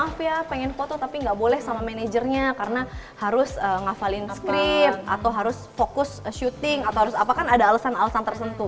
aku ya pengen foto tapi gak boleh sama managernya karena harus ngafalin script atau harus fokus shooting atau harus apa kan ada alasan alasan tersentuh